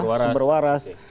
kasus sumber waras